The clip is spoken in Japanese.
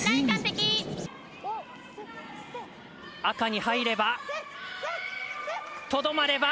赤に入れば。